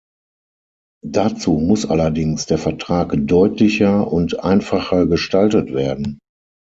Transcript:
Dazu muss allerdings der Vertrag deutlicher und einfacher gestaltet werden.